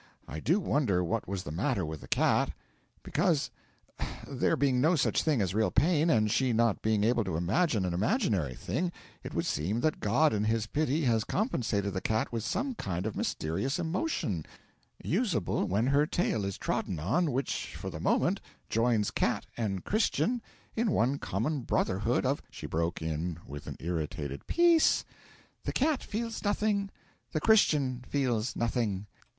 I do wonder what was the matter with the cat. Because, there being no such thing as real pain, and she not being able to imagine an imaginary thing, it would seem that God in his Pity has compensated the cat with some kind of a mysterious emotion useable when her tail is trodden on which for the moment joins cat and Christian in one common brotherhood of ' She broke in with an irritated 'Peace! The cat feels nothing, the Christian feels nothing.